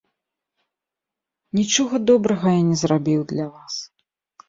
Нічога добрага я не зрабіў для вас.